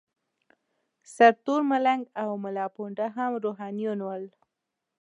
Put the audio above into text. سرتور ملنګ او ملاپوونده هم روحانیون ول.